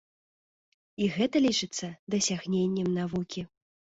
І гэта лічыцца дасягненнем навукі.